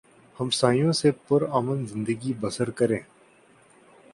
ہمسایوں سے پر امن زندگی بسر کریں